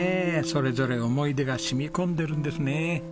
それぞれ思い出が染み込んでるんですね。